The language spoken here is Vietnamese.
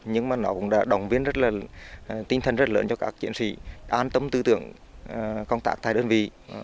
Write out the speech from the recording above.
nhưng nó cũng đã đồng biến tinh thần rất lớn cho các chiến sĩ an tâm tư tưởng công tác tại đơn vị